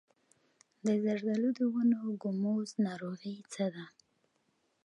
د زردالو د ونو ګوموز ناروغي څه ده؟